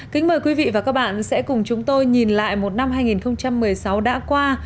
kính mời quý vị và các bạn sẽ cùng chúng tôi nhìn lại một năm hai nghìn một mươi sáu đã qua